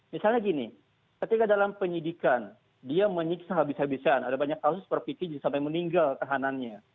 misalnya gini ketika dalam penyidikan dia menyiksa habis habisan ada banyak kasus berpikir sampai meninggal tahanannya